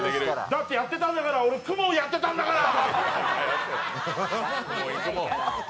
だってやってたんだから公文やってたんだから。